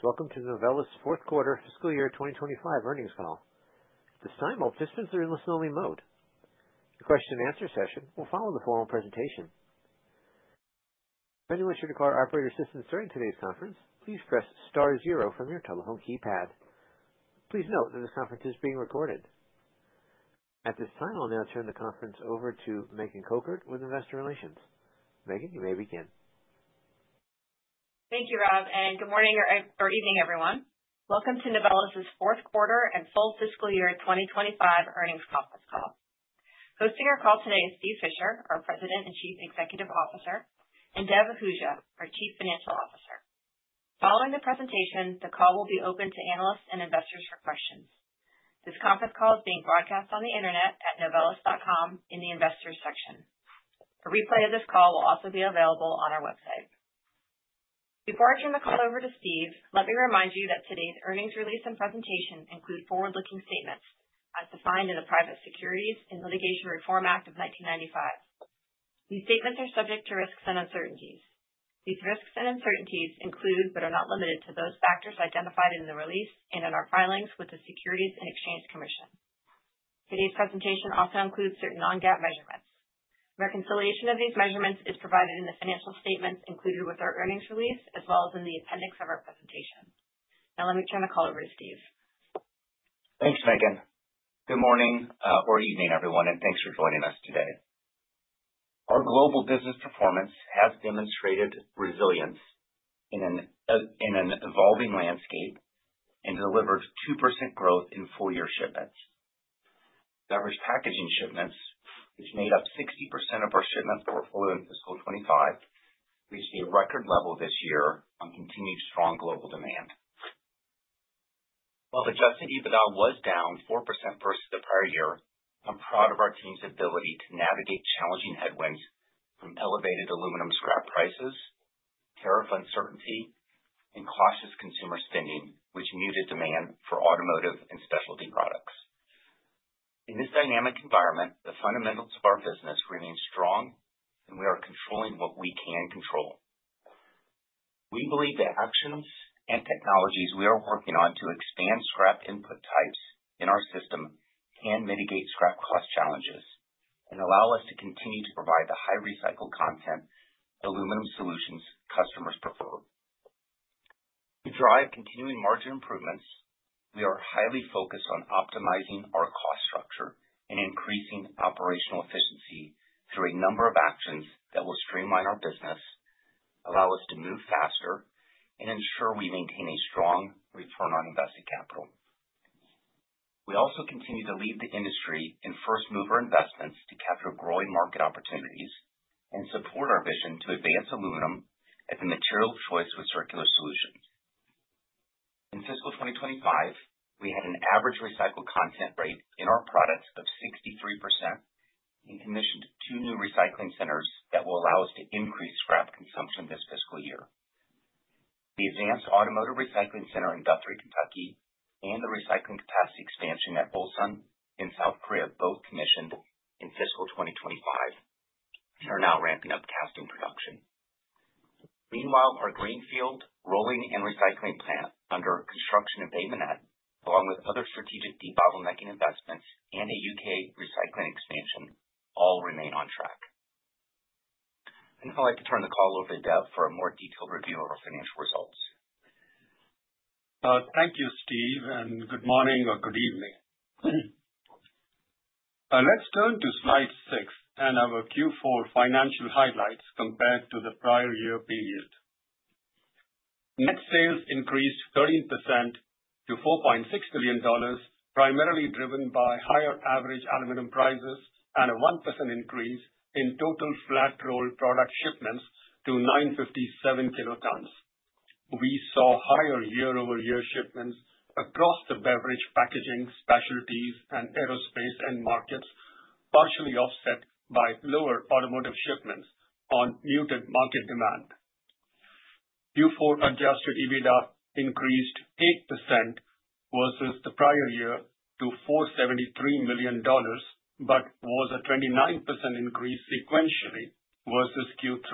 Greetings. Welcome to Novelis's fourth quarter fiscal year 2025 earnings call. At this time, all participants are in listen-only mode. The Q&A session will follow the formal presentation. If anyone should require operator assistance during today's conference, please press star zero from your telephone keypad. Please note that this conference is being recorded. At this time, I'll now turn the conference over to Megan Cochard with Investor Relations. Megan, you may begin. Thank you, Rob, and good morning or evening, everyone. Welcome to Novelis's fourth quarter and full fiscal year 2025 earnings conference call. Hosting our call today is Steve Fisher, our President and Chief Executive Officer, and Dev Ahuja, our Chief Financial Officer. Following the presentation, the call will be open to analysts and investors for questions. This conference call is being broadcast on the internet at novelis.com in the Investors section. A replay of this call will also be available on our website. Before I turn the call over to Steve, let me remind you that today's earnings release and presentation include forward-looking statements as defined in the Private Securities Litigation Reform Act of 1995. These statements are subject to risks and uncertainties. These risks and uncertainties include, but are not limited to, those factors identified in the release and in our filings with the Securities and Exchange Commission. Today's presentation also includes certain non-GAAP measurements. Reconciliation of these measurements is provided in the financial statements included with our earnings release, as well as in the appendix of our presentation. Let me turn the call over to Steve. Thanks, Megan. Good morning, or evening, everyone, and thanks for joining us today. Our global business performance has demonstrated resilience in an evolving landscape and delivered 2% growth in full-year shipments. Beverage packaging shipments, which made up 60% of our shipments portfolio in fiscal 25, reached a record level this year on continued strong global demand. While adjusted EBITDA was down 4% versus the prior year, I'm proud of our team's ability to navigate challenging headwinds from elevated aluminum scrap prices, tariff uncertainty, and cautious consumer spending, which muted demand for automotive and specialty products. In this dynamic environment, the fundamentals of our business remain strong, and we are controlling what we can control. We believe the actions and technologies we are working on to expand scrap input types in our system can mitigate scrap cost challenges and allow us to continue to provide the high recycled content aluminum solutions customers prefer. To drive continuing margin improvements, we are highly focused on optimizing our cost structure and increasing operational efficiency through a number of actions that will streamline our business, allow us to move faster, and ensure we maintain a strong return on invested capital. We also continue to lead the industry in first-mover investments to capture growing market opportunities and support our vision to advance aluminum as a material of choice with circular solutions. In fiscal 2025, we had an average recycled content rate in our products of 63% and commissioned two new recycling centers that will allow us to increase scrap consumption this fiscal year. The advanced automotive recycling center in Guthrie, Kentucky, and the recycling capacity expansion at Ulsan in South Korea, both commissioned in fiscal 2025, are now ramping up casting production. Meanwhile, our greenfield rolling and recycling plant under construction in Bay Minette, along with other strategic debottlenecking investments and a U.K. recycling expansion, all remain on track. Now I'd like to turn the call over to Dev for a more detailed review of our financial results. Thank you, Steve. Good morning or good evening. Let's turn to slide six, our Q4 financial highlights compared to the prior year period. Net sales increased 13% to $4.6 billion, primarily driven by higher average aluminum prices and a 1% increase in total flat roll product shipments to 957 kilotons. We saw higher year-over-year shipments across the beverage, packaging, specialties, and aerospace end markets, partially offset by lower automotive shipments on muted market demand. Q4 adjusted EBITDA increased 8% versus the prior year to $473 million, was a 29% increase sequentially versus Q3.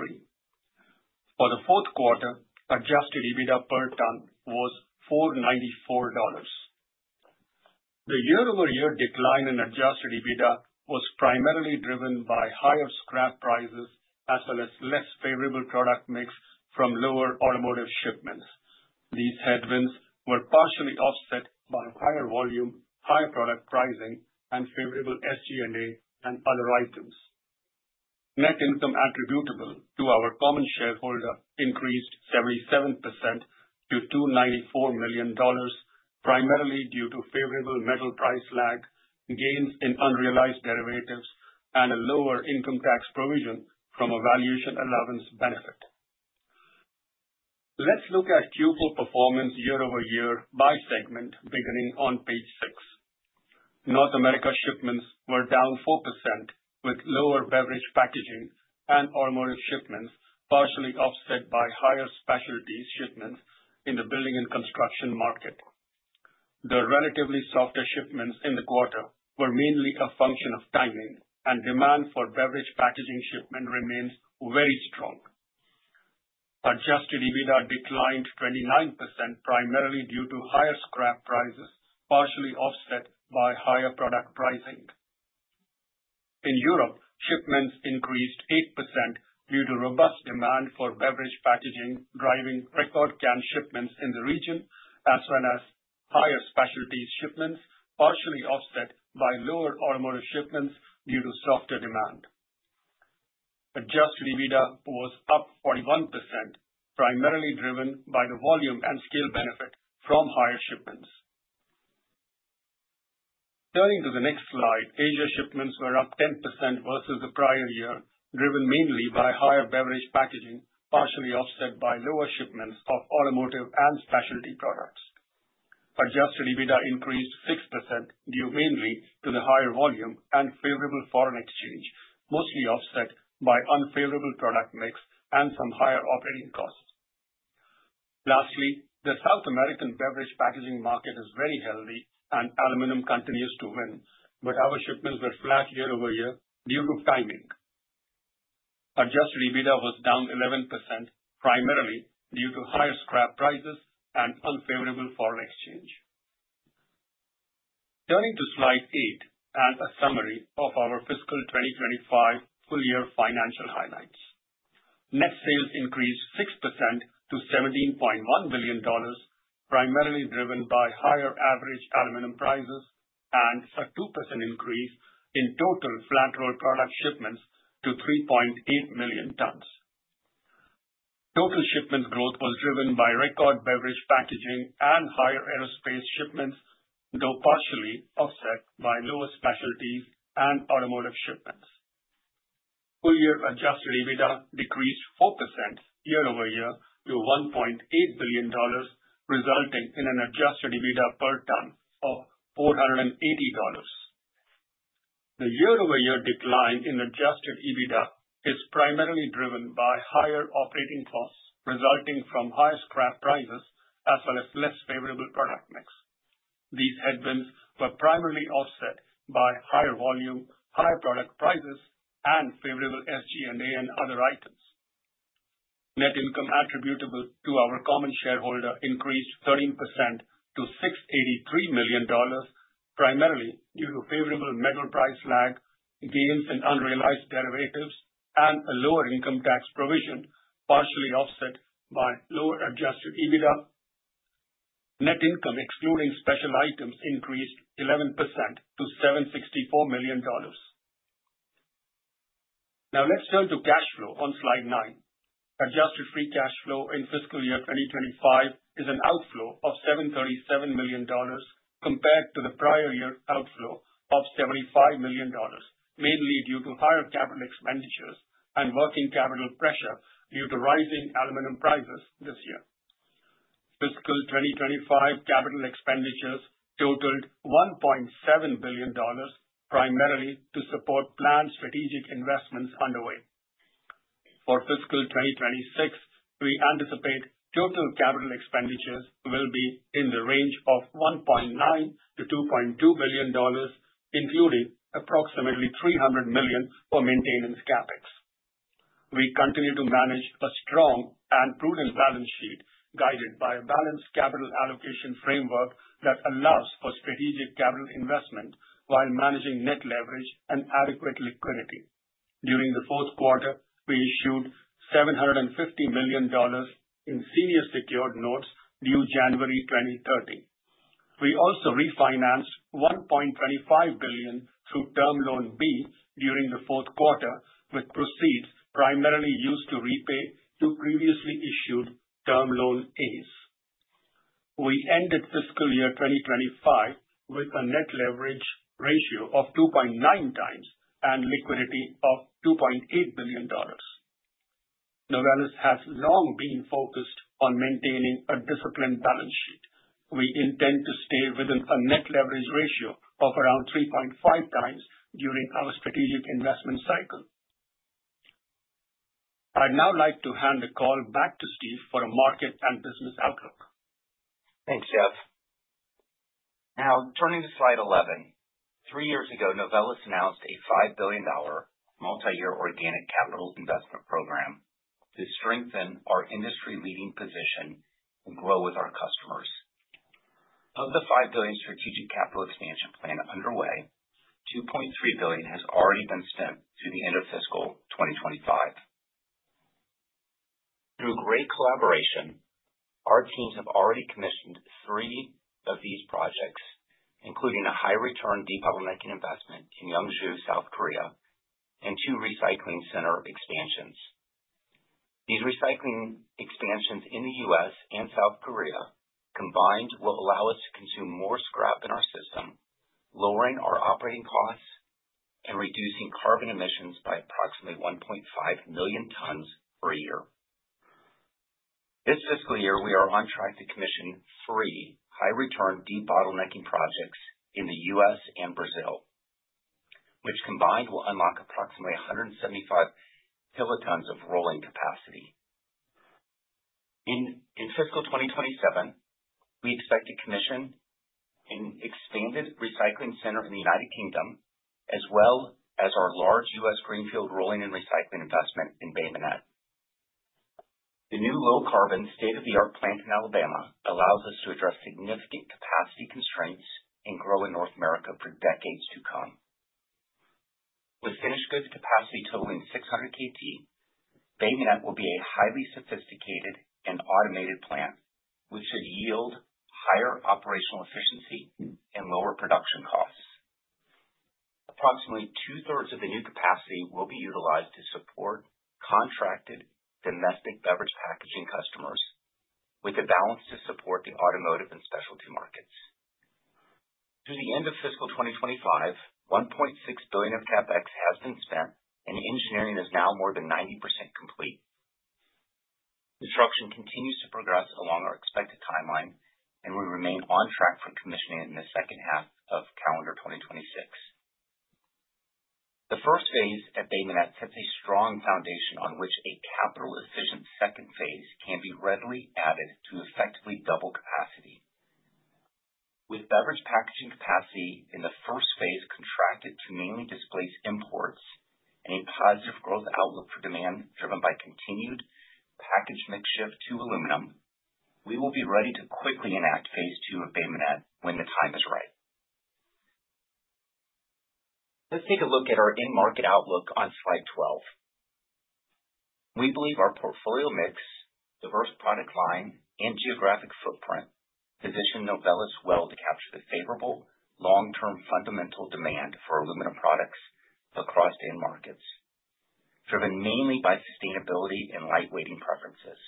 For the fourth quarter, adjusted EBITDA per ton was $494. The year-over-year decline in adjusted EBITDA was primarily driven by higher scrap prices, as well as less favorable product mix from lower automotive shipments. These headwinds were partially offset by higher volume, higher product pricing, and favorable SG&A and other items. Net income attributable to our common shareholder increased 77% to $294 million, primarily due to favorable metal price lag, gains in unrealized derivatives, and a lower income tax provision from a valuation allowance benefit. Let's look at Q4 performance year-over-year by segment, beginning on page six. North America shipments were down 4%, with lower beverage packaging and automotive shipments, partially offset by higher specialties shipments in the building and construction market. The relatively softer shipments in the quarter were mainly a function of timing, and demand for beverage packaging shipment remains very strong. Adjusted EBITDA declined 29%, primarily due to higher scrap prices, partially offset by higher product pricing. In Europe, shipments increased 8% due to robust demand for beverage packaging, driving record can shipments in the region, as well as higher specialty shipments, partially offset by lower automotive shipments due to softer demand. Adjusted EBITDA was up 41%, primarily driven by the volume and scale benefit from higher shipments. Turning to the next slide, Asia shipments were up 10% versus the prior year, driven mainly by higher beverage packaging, partially offset by lower shipments of automotive and specialty products. Adjusted EBITDA increased 6% due mainly to the higher volume and favorable foreign exchange, mostly offset by unfavorable product mix and some higher operating costs. Lastly, the South American beverage packaging market is very healthy and aluminum continues to win, but our shipments were flat year-over-year due to timing. Adjusted EBITDA was down 11%, primarily due to higher scrap prices and unfavorable foreign exchange. Turning to slide eight, a summary of our fiscal 2025 full-year financial highlights. Net sales increased 6% to $17.1 billion, primarily driven by higher average aluminum prices and a 2% increase in total flat roll product shipments to 3.8 million tons. Total shipment growth was driven by record beverage packaging and higher aerospace shipments, though partially offset by lower specialties and automotive shipments. Full year adjusted EBITDA decreased 4% year-over-year to $1.8 billion, resulting in an adjusted EBITDA per ton of $480. The year-over-year decline in adjusted EBITDA is primarily driven by higher operating costs, resulting from higher scrap prices, as well as less favorable product mix. These headwinds were primarily offset by higher volume, higher product prices, and favorable SG&A other items. Net income attributable to our common shareholder increased 13% to $683 million, primarily due to favorable metal price lag, gains in unrealized derivatives, and a lower income tax provision, partially offset by lower adjusted EBITDA. Net income, excluding special items, increased 11% to $764 million. Now let's turn to cash flow on slide nine. Adjusted free cash flow in fiscal year 2025 is an outflow of $737 million, compared to the prior year's outflow of $75 million, mainly due to higher capital expenditures and working capital pressure due to rising aluminum prices this year. Fiscal 2025 capital expenditures totaled $1.7 billion, primarily to support planned strategic investments underway. For fiscal 2026, we anticipate total capital expenditures will be in the range of $1.9 billion-$2.2 billion, including approximately $300 million for maintenance CapEx. We continue to manage a strong and prudent balance sheet, guided by a balanced capital allocation framework that allows for strategic capital investment while managing net leverage and adequate liquidity. During the fourth quarter, we issued $750 million in senior secured notes due January 2030. We also refinanced $1.25 billion through Term Loan B during the fourth quarter, with proceeds primarily used to repay two previously issued Term Loan As. We ended fiscal year 2025 with a net leverage ratio of 2.9 times and liquidity of $2.8 billion. Novelis has long been focused on maintaining a disciplined balance sheet. We intend to stay within a net leverage ratio of around 3.5x during our strategic investment cycle. I'd now like to hand the call back to Steve for a market and business outlook. Thanks, Dev. Turning to slide 11. Three years ago, Novelis announced a $5 billion multi-year organic capital investment program to strengthen our industry-leading position and grow with our customers. Of the $5 billion strategic capital expansion plan underway, $2.3 billion has already been spent through the end of fiscal 2025. Through great collaboration, our teams have already commissioned three of these projects, including a high-return debottlenecking investment in Yeongju, South Korea, and two recycling center expansions. These recycling expansions in the U.S. and South Korea, combined, will allow us to consume more scrap in our system, lowering our operating costs and reducing carbon emissions by approximately 1.5 million tons per year. This fiscal year, we are on track to commission three high-return debottlenecking projects in the U.S. and Brazil, which combined, will unlock approximately 175 kilotons of rolling capacity. In fiscal 2027, we expect to commission an expanded recycling center in the United Kingdom, as well as our large U.S. greenfield rolling and recycling investment in Bay Minette. The new low-carbon, state-of-the-art plant in Alabama allows us to address significant capacity constraints and grow in North America for decades to come. With finished goods capacity totaling 600 kilotons, Bay Minette will be a highly sophisticated and automated plant, which should yield higher operational efficiency and lower production costs. Approximately two-thirds of the new capacity will be utilized to support contracted domestic beverage packaging customers, with a balance to support the automotive and specialty markets. Through the end of fiscal 2025, $1.6 billion of CapEx has been spent, and engineering is now more than 90% complete. Construction continues to progress along our expected timeline, and we remain on track for commissioning in the second half of calendar 2026. The first phase at Bay Minette sets a strong foundation on which a capital-efficient second phase can be readily added to effectively double capacity. With beverage packaging capacity in the first phase contracted to mainly displace imports and a positive growth outlook for demand, driven by continued package mix shift to aluminum, we will be ready to quickly enact phase II of Bay Minette when the time is right. Let's take a look at our end market outlook on slide 12. We believe our portfolio mix, diverse product line, and geographic footprint position Novelis well to capture the favorable long-term fundamental demand for aluminum products across end markets, driven mainly by sustainability and lightweighting preferences.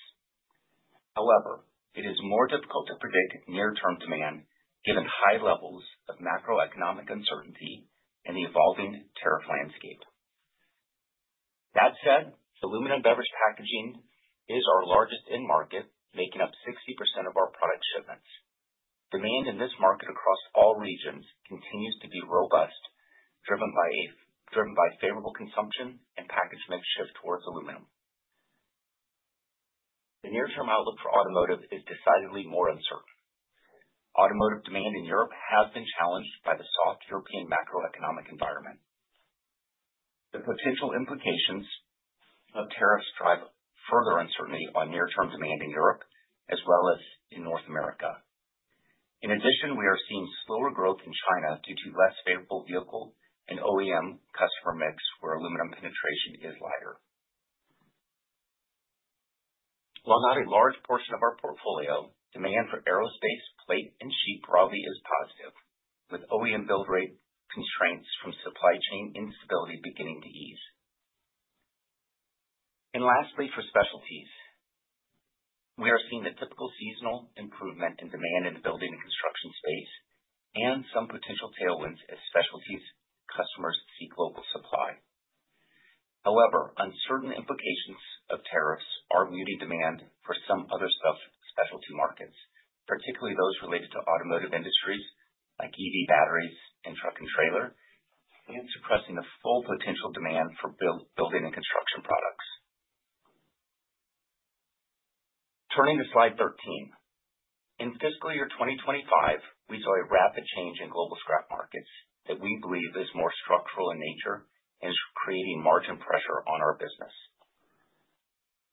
However, it is more difficult to predict near-term demand, given high levels of macroeconomic uncertainty and the evolving tariff landscape. That said, aluminum beverage packaging is our largest end market, making up 60% of our product shipments. Demand in this market across all regions continues to be robust, driven by favorable consumption and package mix shift towards aluminum. The near-term outlook for automotive is decidedly more uncertain. Automotive demand in Europe has been challenged by the soft European macroeconomic environment. The potential implications of tariffs drive further uncertainty on near-term demand in Europe as well as in North America. In addition, we are seeing slower growth in China due to less favorable vehicle and OEM customer mix, where aluminum penetration is lighter. While not a large portion of our portfolio, demand for aerospace plate and sheet broadly is positive, with OEM build rate constraints from supply chain instability beginning to ease. Lastly, for specialties, we are seeing the typical seasonal improvement in demand in the building and construction space and some potential tailwinds as specialties customers seek global supply. However, uncertain implications of tariffs are muting demand for some other subspecialty markets, particularly those related to automotive industries like EV batteries and truck and trailer, and suppressing the full potential demand for building and construction products. Turning to slide 13. In fiscal year 2025, we saw a rapid change in global scrap markets that we believe is more structural in nature and is creating margin pressure on our business.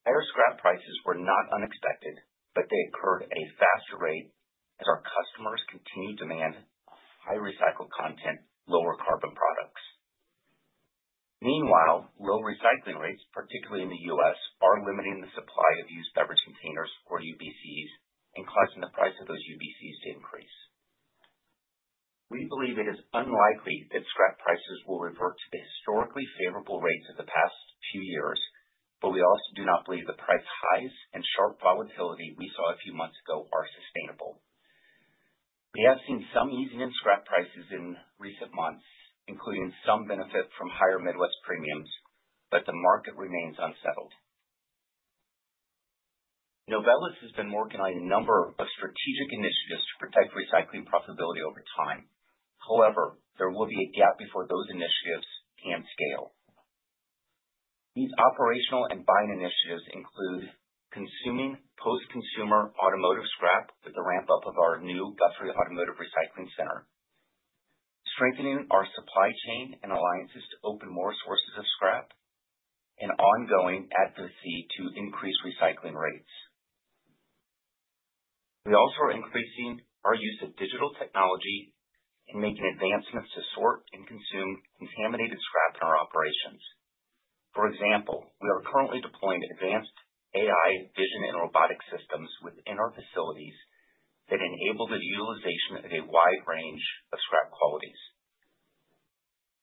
Higher scrap prices were not unexpected, but they occurred at a faster rate as our customers continued demand high recycled content, lower carbon products. Meanwhile, low recycling rates, particularly in the U.S., are limiting the supply of used beverage containers, or UBCs, and causing the price of those UBCs to increase. We believe it is unlikely that scrap prices will revert to the historically favorable rates of the past few years, but we also do not believe the price highs and sharp volatility we saw a few months ago are sustainable. We have seen some easing in scrap prices in recent months, including some benefit from higher Midwest premiums, but the market remains unsettled. Novelis has been working on a number of strategic initiatives to protect recycling profitability over time. However, there will be a gap before those initiatives can scale. These operational and buying initiatives include consuming post-consumer automotive scrap with the ramp-up of our new Guthrie Automotive Recycling Center, strengthening our supply chain and alliances to open more sources of scrap, and ongoing advocacy to increase recycling rates. We also are increasing our use of digital technology and making advancements to sort and consume contaminated scrap in our operations. For example, we are currently deploying advanced AI vision and robotic systems within our facilities that enable the utilization of a wide range of scrap qualities.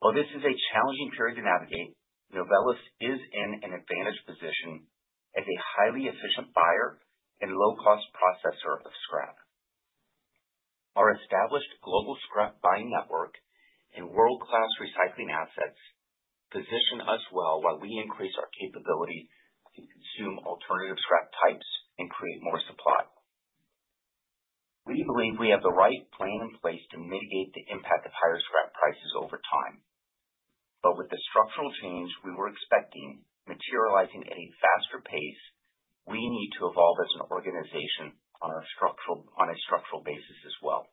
While this is a challenging period to navigate, Novelis is in an advantaged position as a highly efficient buyer and low-cost processor of scrap. Our established global scrap buying network and world-class recycling assets position us well while we increase our capability to consume alternative scrap types and create more supply. We believe we have the right plan in place to mitigate the impact of higher scrap prices over time. With the structural change we were expecting materializing at a faster pace, we need to evolve as an organization on a structural basis as well.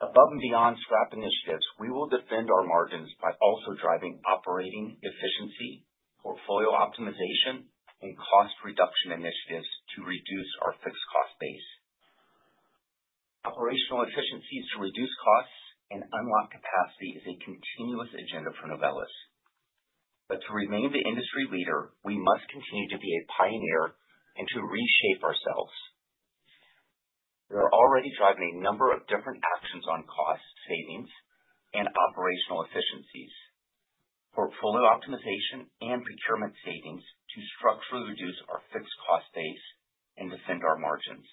Above and beyond scrap initiatives, we will defend our margins by also driving operating efficiency, portfolio optimization, and cost reduction initiatives to reduce our fixed cost base. Operational efficiencies to reduce costs and unlock capacity is a continuous agenda for Novelis. To remain the industry leader, we must continue to be a pioneer and to reshape ourselves. We are already driving a number of different actions on cost savings and operational efficiencies, portfolio optimization, and procurement savings to structurally reduce our fixed cost base and defend our margins.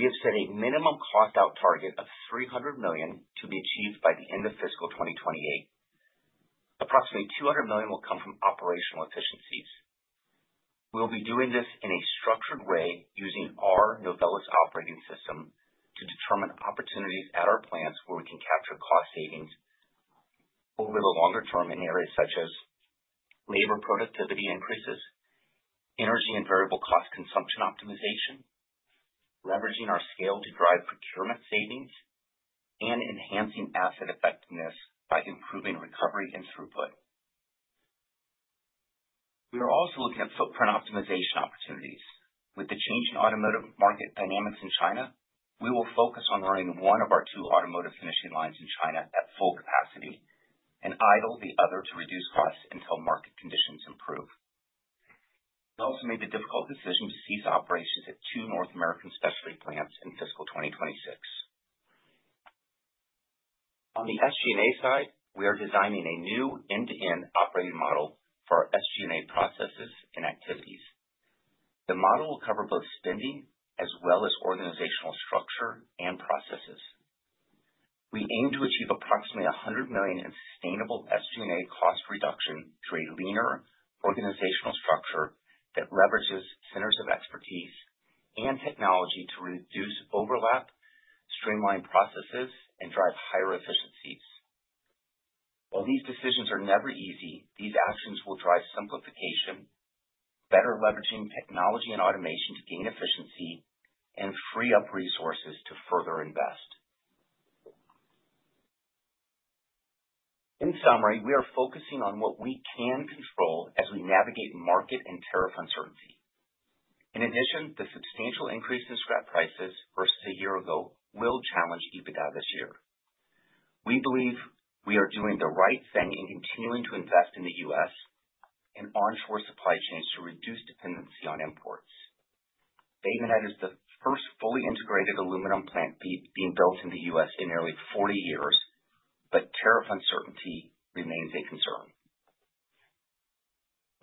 We have set a minimum cost out target of $300 million to be achieved by the end of fiscal 2028. Approximately $200 million will come from operational efficiencies. We'll be doing this in a structured way, using our Novelis Operating System to determine opportunities at our plants where we can capture cost savings over the longer term, in areas such as labor productivity increases, energy and variable cost consumption optimization, leveraging our scale to drive procurement savings, and enhancing asset effectiveness by improving recovery and throughput. We are also looking at footprint optimization opportunities. With the change in automotive market dynamics in China, we will focus on running one of our two automotive finishing lines in China at full capacity and idle the other to reduce costs until market conditions improve. We also made the difficult decision to cease operations at two North American specialty plants in fiscal 2026. On the SG&A side, we are designing a new end-to-end operating model for our SG&A processes and activities. The model will cover both spending as well as organizational structure and processes. We aim to achieve approximately $100 million in sustainable SG&A cost reduction through a leaner organizational structure that leverages centers of expertise and technology to reduce overlap, streamline processes, and drive higher efficiencies. While these decisions are never easy, these actions will drive simplification, better leveraging technology and automation to gain efficiency, and free up resources to further invest. In summary, we are focusing on what we can control as we navigate market and tariff uncertainty. The substantial increase in scrap prices versus a year ago will challenge EBITDA this year. We believe we are doing the right thing in continuing to invest in the U.S. and onshore supply chains to reduce dependency on imports. Bay Minette is the first fully integrated aluminum plant being built in the U.S. in nearly 40 years, but tariff uncertainty remains a concern.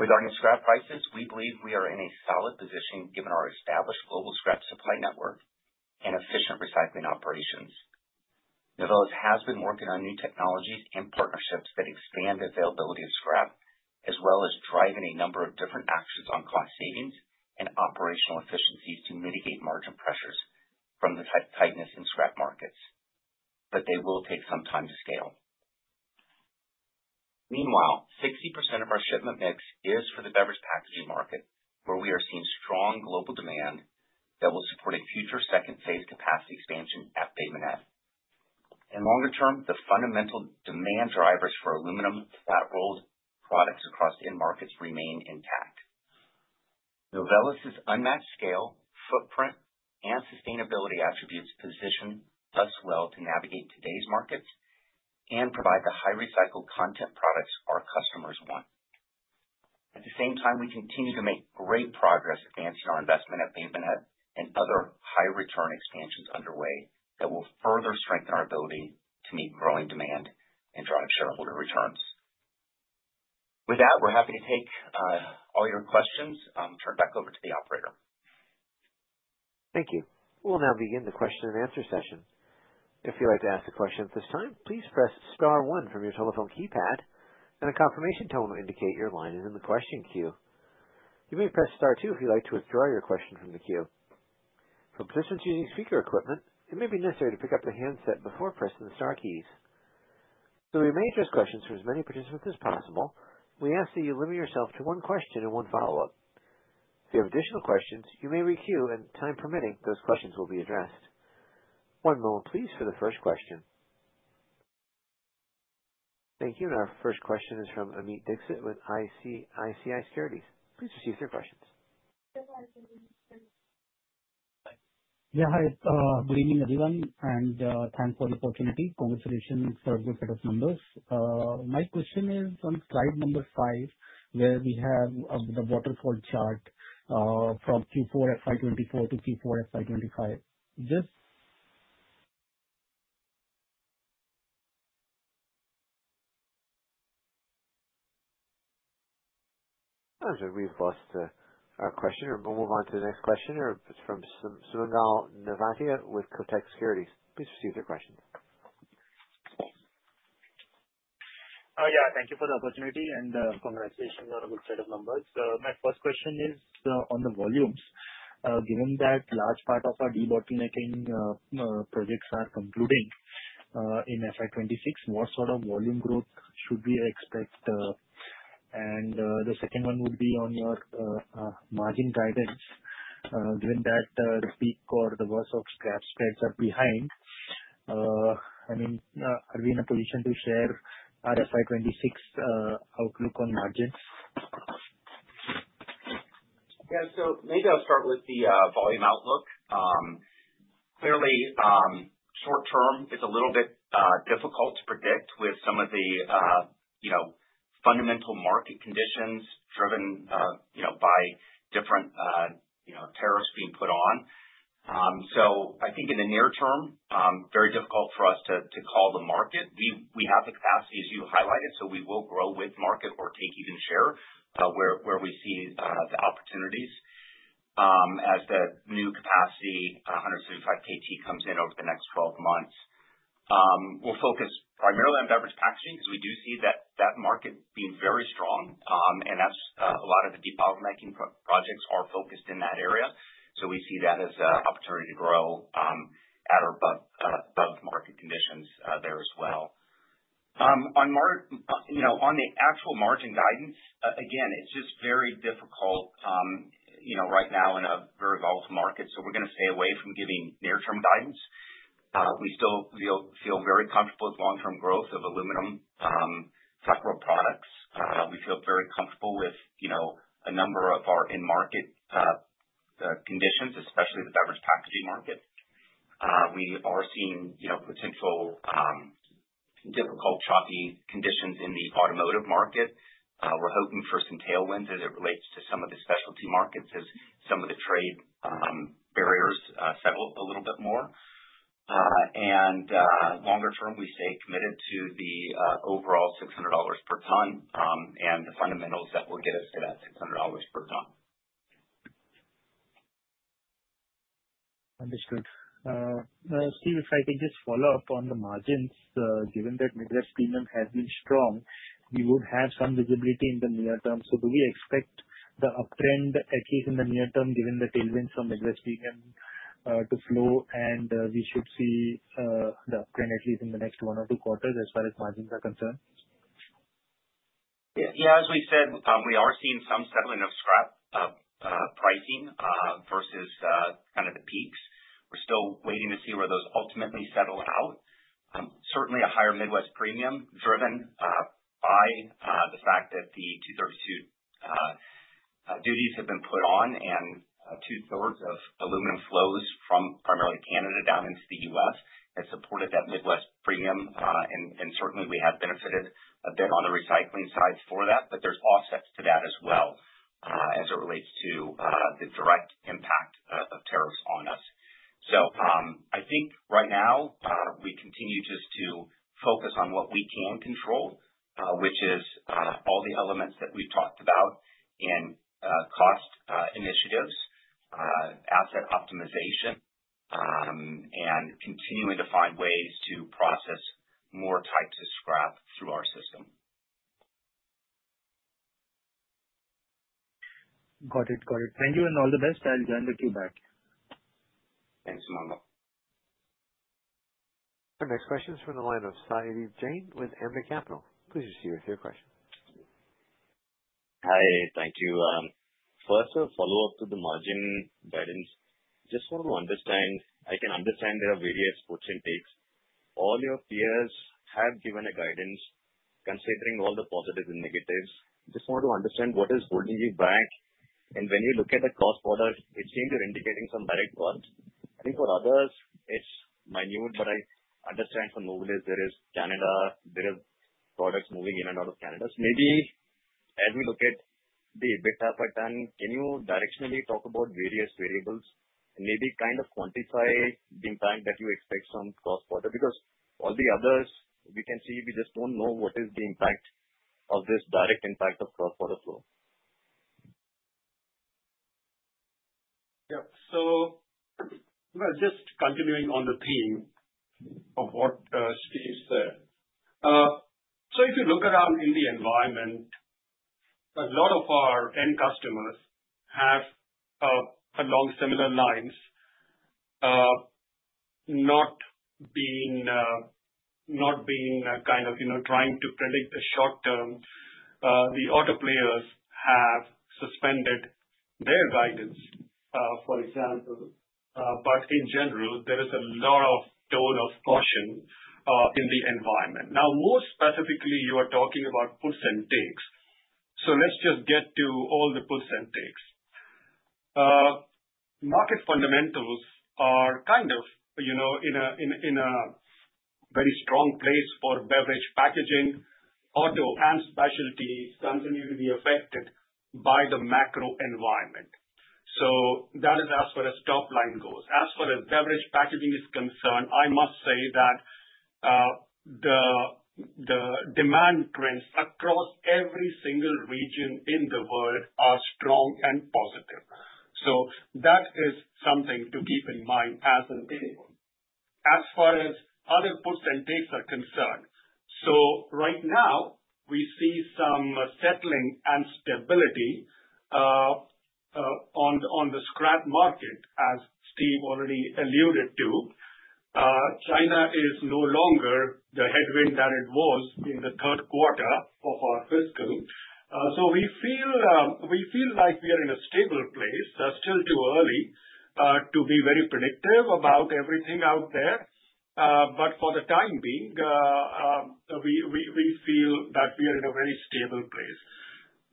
Regarding scrap prices, we believe we are in a solid position given our established global scrap supply network and efficient recycling operations. Novelis has been working on new technologies and partnerships that expand the availability of scrap, as well as driving a number of different actions on cost savings and operational efficiencies to mitigate margin pressures from the tightness in scrap markets. They will take some time to scale. Meanwhile, 60% of our shipment mix is for the beverage packaging market, where we are seeing strong global demand that will support a future second phase capacity expansion at Bay Minette. In longer term, the fundamental demand drivers for aluminum flat rolled products across end markets remain intact. Novelis's unmatched scale, footprint, and sustainability attributes position us well to navigate today's markets and provide the high recycled content products our customers want. At the same time, we continue to make great progress advancing our investment at Bay Minette and other high return expansions underway that will further strengthen our ability to meet growing demand and drive shareholder returns. With that, we're happy to take all your questions. Turn it back over to the operator. Thank you. We'll now begin the Q&A session. If you'd like to ask a question at this time, please press star one from your telephone keypad, and a confirmation tone will indicate your line is in the question queue. You may press star two if you'd like to withdraw your question from the queue. For participants using speaker equipment, it may be necessary to pick up the handset before pressing the star keys. So we may address questions from as many participants as possible, we ask that you limit yourself to one question and one follow-up. If you have additional questions, you may re-queue, and time permitting, those questions will be addressed. One moment, please, for the first question. Thank you. Our first question is from Amit Dixit with ICICI Securities. Please proceed with your questions. Yeah, hi, good evening, everyone, thanks for the opportunity. Congratulations for a good set of numbers. My question is on slide five, where we have the waterfall chart from Q4 FY 2024 to Q4 FY 2025. I'm sorry, we've lost, our questioner. We'll move on to the next question. It's from Sonal Chauhan with Kotak Securities. Please proceed with your question. Hi, thank you for the opportunity, and congratulations on a good set of numbers. My first question is on the volumes. Given that large part of our debottlenecking projects are concluding in FY 2026, what sort of volume growth should we expect? The second one would be on your margin guidance. Given that the peak or the worst of scrap spreads are behind, I mean, are we in a position to share our FY 2026 outlook on margins? Maybe I'll start with the volume outlook. Clearly, short term is a little bit difficult to predict with some of the, you know, fundamental market conditions driven, you know, by different, you know, tariffs being put on. I think in the near term, very difficult for us to call the market. We have the capacity, as you highlighted, so we will grow with market or take even share where we see the opportunities. As the new capacity, 165 kilotons, comes in over the next 12 months, we'll focus primarily on beverage packaging, because we do see that market being very strong. That's a lot of the debottlenecking projects are focused in that area. We see that as a opportunity to grow, at or above market conditions there as well. On, you know, on the actual margin guidance, again, it's just very difficult, you know, right now in a very volatile market, so we're gonna stay away from giving near-term guidance. We still feel very comfortable with long-term growth of aluminum, several products. We feel very comfortable with, you know, a number of our in-market conditions, especially the beverage packaging market. We are seeing, you know, potential, difficult, choppy conditions in the automotive market. We're hoping for some tailwinds as it relates to some of the specialty markets, as some of the trade barriers, settle up a little bit more. Longer term, we stay committed to the overall $600 per ton, and the fundamentals that will get us to that $600 per ton. Understood. Steve, if I could just follow up on the margins, given that Midwest premium has been strong, we would have some visibility in the near term. Do we expect the uptrend, at least in the near term, given the tailwind from Midwest premium, to flow, and, we should see, the uptrend at least in the next one or two quarters, as far as margins are concerned? Yeah, as we said, we are seeing some settlement of scrap pricing versus kind of the peaks. We're still waiting to see where those ultimately settle out. Certainly a higher Midwest premium driven by the fact that the Section 232 duties have been put on, and two-thirds of aluminum flows from primarily Canada down into the U.S., has supported that Midwest premium. Certainly we have benefited a bit on the recycling side for that, but there's offsets to that as well, as it relates to the direct impact of tariffs on us. I think right now, we continue just to focus on what we can control, which is all the elements that we've talked about in cost initiatives, asset optimization, and continuing to find ways to process more types of scrap through our system. Got it. Got it. Thank you, and all the best. I'll hand it to you back. Thanks, Nanda. Our next question is from the line of Sanjeev Jain with Emkay Global. Please proceed with your question. Hi, thank you. First a follow-up to the margin guidance. Just want to understand, I can understand there are various puts and takes. All your peers have given a guidance, considering all the positives and negatives. Just want to understand what is holding you back. When you look at the cost product, it seems you're indicating some direct ones. I think for others, it's minute, but I understand for Novelis, there is Canada, there is products moving in and out of Canada. Maybe as we look at the EBITDA per ton, can you directionally talk about various variables, maybe kind of quantify the impact that you expect from cross border? All the others we can see, we just don't know what is the impact of this direct impact of cross-border flow. Yeah. Well, just continuing on the theme of what Steve said. If you look around in the environment, a lot of our end customers have, along similar lines, not being, kind of, you know, trying to predict the short term, the auto players have suspended their guidance, for example. In general, there is a lot of tone of caution, in the environment. Now, more specifically, you are talking about puts and takes. Let's just get to all the puts and takes. Market fundamentals are kind of, you know, in a very strong place for beverage packaging. Auto and specialties continue to be affected by the macro environment. That is as far as top line goes. As far as beverage packaging is concerned, I must say that the demand trends across every single region in the world are strong and positive. That is something to keep in mind. As far as other puts and takes are concerned, right now we see some settling and stability on the scrap market, as Steve already alluded to. China is no longer the headwind that it was in the third quarter of our fiscal. We feel like we are in a stable place. Still too early to be very predictive about everything out there. For the time being, we feel that we are in a very stable place.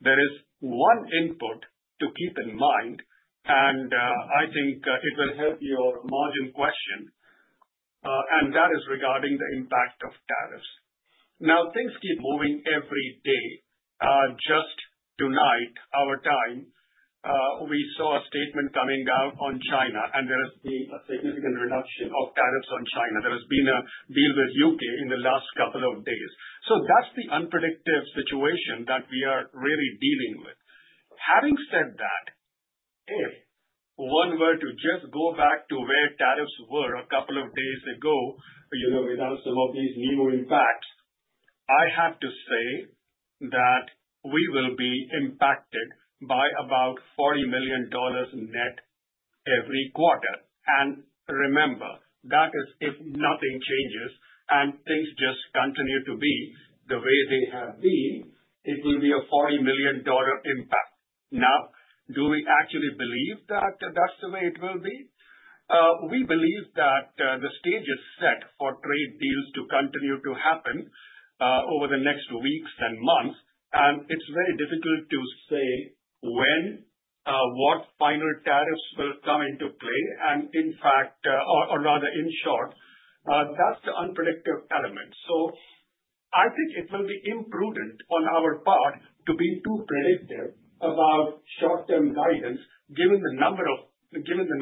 There is one input to keep in mind, and I think it will help your margin question, and that is regarding the impact of tariffs. Now, things keep moving every day. Just tonight, our time, we saw a statement coming out on China, and there has been a significant reduction of tariffs on China. There has been a deal with U.K. in the last couple of days. That's the unpredictable situation that we are really dealing with. Having said that, if one were to just go back to where tariffs were a couple of days ago, you know, without some of these new impacts, I have to say that we will be impacted by about $40 million net every quarter. Remember, that is if nothing changes and things just continue to be the way they have been, it will be a $40 million impact. Do we actually believe that that's the way it will be? We believe that the stage is set for trade deals to continue to happen over the next weeks and months, and it's very difficult to say when what final tariffs will come into play. In fact, or rather in short, that's the unpredictable element. I think it will be imprudent on our part to be too predictive about short-term guidance, given the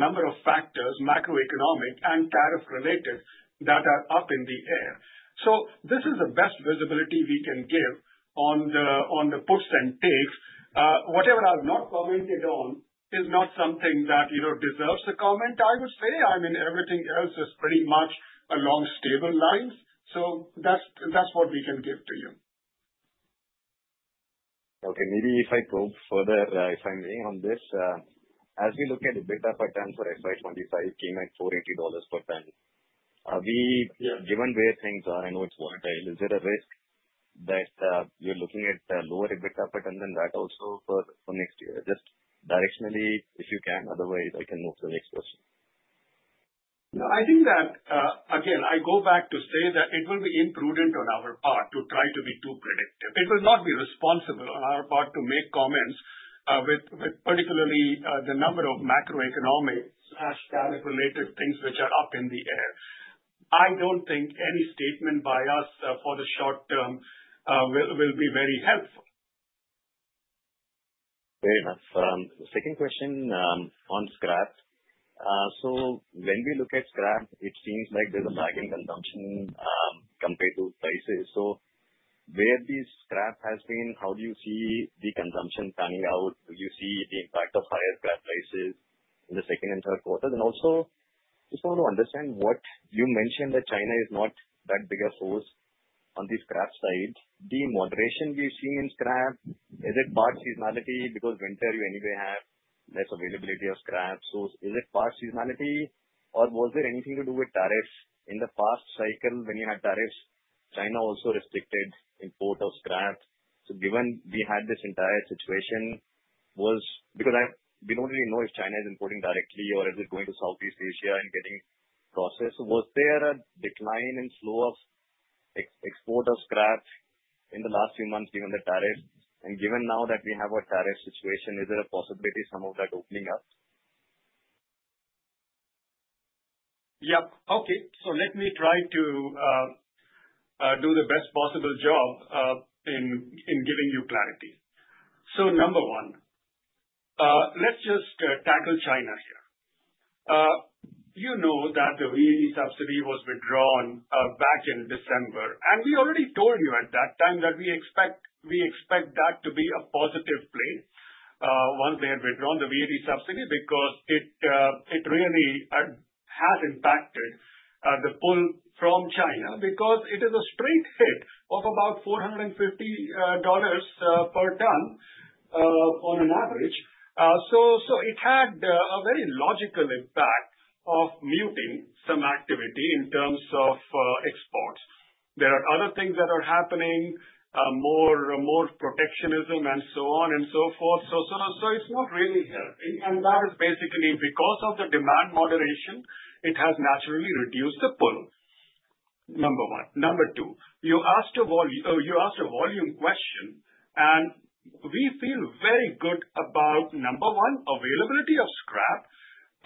number of factors, macroeconomic and tariff related, that are up in the air. This is the best visibility we can give on the puts and takes. Whatever I've not commented on is not something that, you know, deserves a comment, I would say. I mean, everything else is pretty much along stable lines. That's, that's what we can give to you. Okay. Maybe if I probe further, if I may, on this. As we look at the EBITDA per ton for FY 2025, it came at $480 per ton. Given where things are, I know it's volatile, is there a risk that we're looking at a lower EBITDA per ton than that also for next year? Just directionally, if you can, otherwise, I can move to the next question. No, I think that. Again, I go back to say that it will be imprudent on our part to try to be too predictive. It will not be responsible on our part to make comments, with particularly, the number of macroeconomic/tariff-related things which are up in the air. I don't think any statement by us, for the short term, will be very helpful. Very much. The second question on scrap. When we look at scrap, it seems like there's a lag in consumption compared to prices. Where the scrap has been, how do you see the consumption panning out? Do you see the impact of higher scrap prices in the second and third quarters? Also, just want to understand what you mentioned that China is not that big a force on the scrap side. The moderation we've seen in scrap, is it part seasonality because winter you anyway have less availability of scrap? Is it part seasonality or was there anything to do with tariffs? In the past cycle when you had tariffs, China also restricted import of scrap. Given we had this entire situation, we don't really know if China is importing directly or is it going to Southeast Asia and getting processed. Was there a decline in flow of ex-export of scrap in the last few months given the tariffs? Given now that we have a tariff situation, is there a possibility some of that opening up? Yeah. Okay, let me try to do the best possible job in giving you clarity. Number one, let's just tackle China here. you know that the VAT subsidy was withdrawn back in December, and we already told you at that time that we expect that to be a positive play once they have withdrawn the VAT subsidy, because it really has impacted the pull from China because it is a straight hit of about $450 per ton on an average. It had a very logical impact of muting some activity in terms of exports. There are other things that are happening, more, more protectionism and so on and so forth. It's not really helping. That is basically because of the demand moderation, it has naturally reduced the pull. Number one. Number two, you asked a volume question, and we feel very good about, number one, availability of scrap,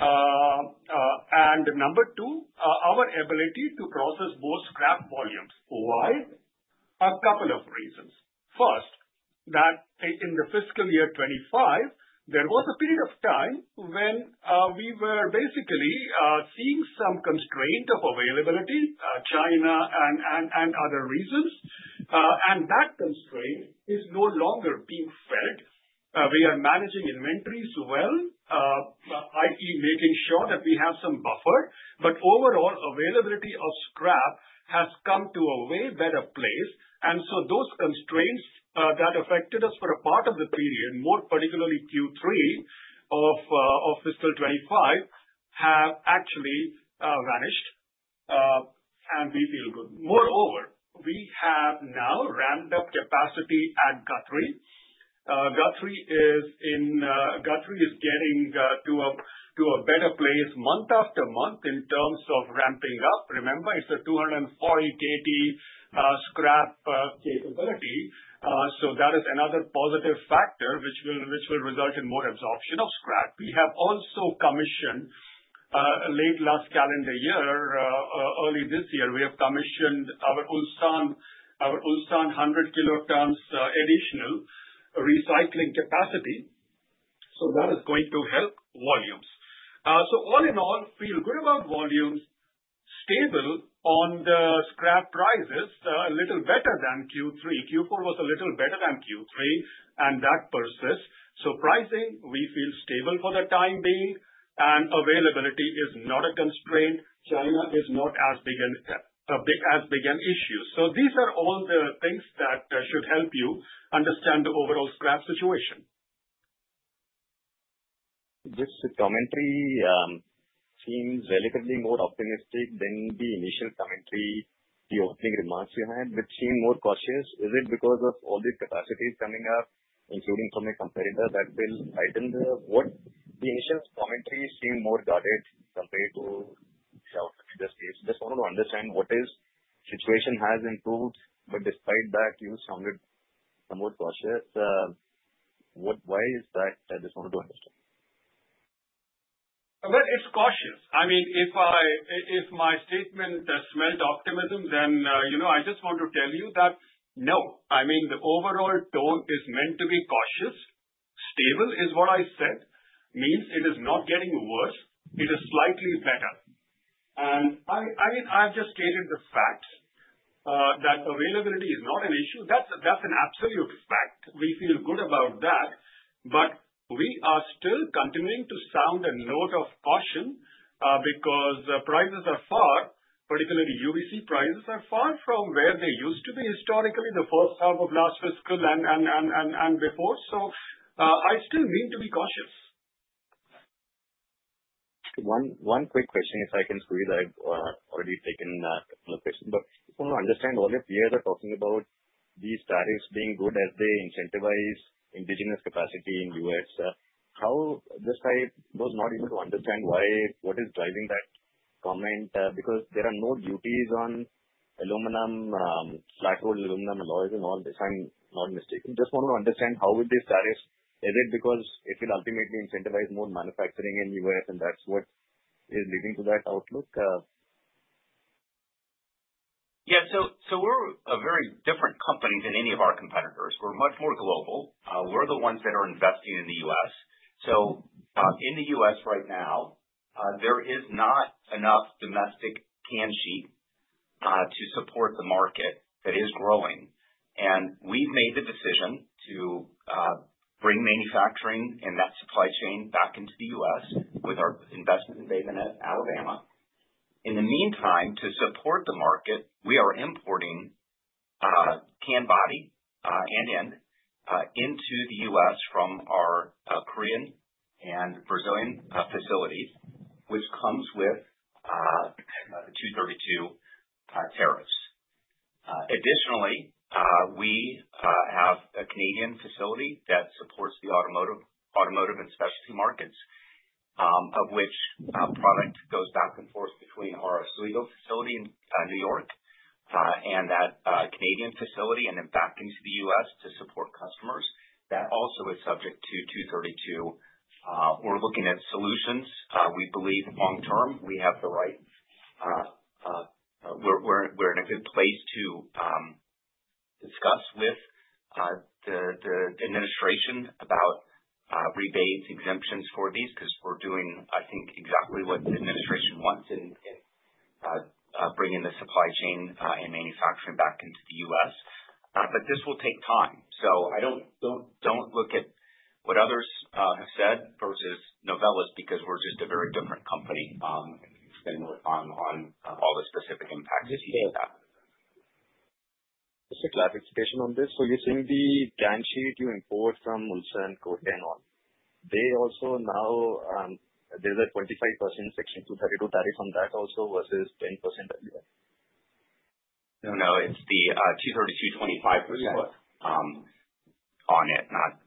and number two, our ability to process more scrap volumes. Why? A couple of reasons. First, that, in the fiscal year 25, there was a period of time when we were basically seeing some constraint of availability, China and other reasons. That constraint is no longer being felt. We are managing inventories well, i.e., making sure that we have some buffer, but overall availability of scrap has come to a way better place. Those constraints that affected us for a part of the period, more particularly Q3 of fiscal 2025, have actually vanished, and we feel good. Moreover, we have now ramped up capacity at Guthrie. Guthrie is getting to a better place month after month in terms of ramping up. Remember, it's a 240 kilotons scrap capability. That is another positive factor which will result in more absorption of scrap. We have also commissioned late last calendar year, early this year, we have commissioned our Ulsan, our Ulsan 100 kilotons additional recycling capacity. That is going to help volumes. All in all, feel good about volumes. Stable on the scrap prices, a little better than Q3. Q4 was a little better than Q3, and that persists. Pricing, we feel stable for the time being, and availability is not a constraint. China is not as big an issue. These are all the things that should help you understand the overall scrap situation. This commentary seems relatively more optimistic than the initial commentary, the opening remarks you had, which seemed more cautious. Is it because of all the capacities coming up, including from a competitor, that will heighten the work? The initial commentary seemed more guarded compared to current stage. Just want to understand, situation has improved, but despite that, you sounded more cautious. Why is that? I just wanted to understand. Well, it's cautious. I mean, if my statement, smelt optimism, then, you know, I just want to tell you that, no, I mean, the overall tone is meant to be cautious. Stable is what I said, means it is not getting worse, it is slightly better. I've just stated the fact that availability is not an issue. That's an absolute fact. We feel good about that, we are still continuing to sound a note of caution, because prices are far, particularly UBC prices are far from where they used to be historically, the first half of last fiscal and before. I still need to be cautious. One, one quick question, if I can squeeze, I've already taken a couple of questions, but I just want to understand, all your peers are talking about these tariffs being good as they incentivize indigenous capacity in U.S. How the side was not able to understand why, what is driving that comment? Because there are no duties on aluminum, flat roll aluminum alloys and all this, if I'm not mistaken. Just want to understand how with these tariffs, is it because it will ultimately incentivize more manufacturing in U.S., and that's what is leading to that outlook? We're a very different company than any of our competitors. We're much more global. We're the ones that are investing in the U.S. In the U.S. right now, there is not enough domestic can sheet to support the market that is growing. We've made the decision to bring manufacturing and that supply chain back into the U.S. with our investment in Bay Minette, Alabama. In the meantime, to support the market, we are importing can body and end into the U.S. from our Korean and Brazilian facilities, which comes with Section 232 tariffs. Additionally, we have a Canadian facility that supports the automotive and specialty markets, of which product goes back and forth between our Oswego facility in New York, and that Canadian facility and then back into the U.S. to support customers. That also is subject to Section 232. We're looking at solutions. We believe long term, we have the right, we're in a good place to discuss with the administration about rebates, exemptions for these, because we're doing, I think, exactly what the administration wants in bringing the supply chain and manufacturing back into the U.S. This will take time, so I don't look at what others have said versus Novelis, because we're just a very different company, and on all the specific impacts. Just a clarification on this. you're saying the can sheet you import from Ulsan, Korea, and all, they also now, there's a 25% Section 232 tariff on that also versus 10% earlier? No, no, it's the 232, 25% on it, not.